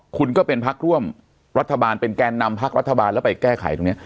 คุณก็เป็นพักร่วมรัฐบาลเป็นแกนนำพักรัฐบาลแล้วไปแก้ไขตรงนี้